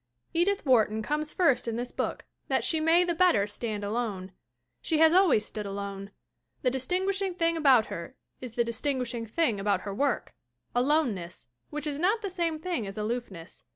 Edith Wharton comes first in this book that she may the better stand alone. She has always stood alone. The distinguishing thing about her is the dis tinguishing thing about her work aloneness. which is not the same thing as aloofness.